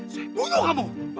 saya bunuh kamu